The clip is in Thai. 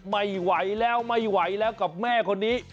ไม่ไหวแล้วกับแม่คนนี้